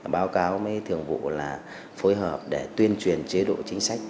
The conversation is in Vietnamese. báo cáo với thường vụ là phối hợp để tuyên truyền chế độ chính sách